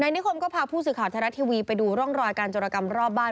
นิคมก็พาผู้สื่อข่าวไทยรัฐทีวีไปดูร่องรอยการจรกรรมรอบบ้าน